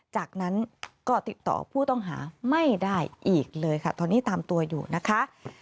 จากนั้นก็ติดต่อผู้ต้องหาไม่ได้อีกเลยค่ะตอนนี้ตามตัวอยู่นะคะ